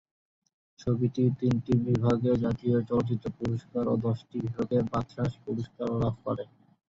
ছবিটি তিনটি বিভাগে জাতীয় চলচ্চিত্র পুরস্কার এবং দশটি বিভাগে বাচসাস পুরস্কার লাভ করে।